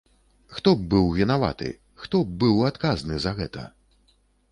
Хто б быў вінаваты, хто б быў адказны за гэта?